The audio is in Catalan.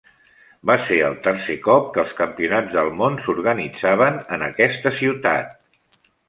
Va ser el tercer cop que els campionats del món s'organitzaven en aquesta ciutat.